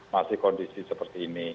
masih kondisi seperti ini